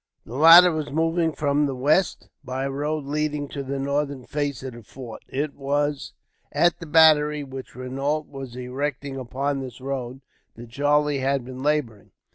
The latter was moving from the west, by a road leading to the northern face of the fort. It was at the battery which Renault was erecting upon this road that Charlie had been labouring.